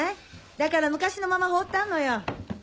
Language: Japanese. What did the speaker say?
だから昔のまま放ってあるのよ。